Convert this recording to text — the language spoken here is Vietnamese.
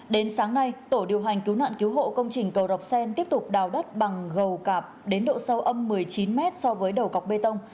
đến sáng nay tổ điều hành cứu nạn cứu hộ công trình cầu sen tiếp tục đào đất bằng gầu cạp đến độ sâu âm một mươi chín mét so với đầu cọc bê tông